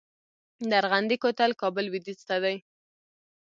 د ارغندې کوتل کابل لویدیځ ته دی